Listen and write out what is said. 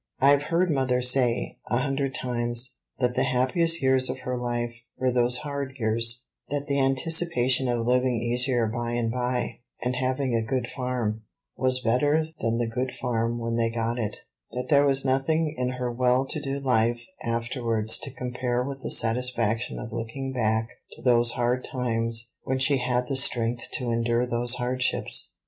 I've heard mother say, a hundred times, that the happiest years of her life were those hard years; that the anticipation of living easier by and by, and having a good farm, was better than the good farm when they got it; that there was nothing in her well to do life afterwards to compare with the satisfaction of looking back to those hard times when she had the strength to endure those hardships.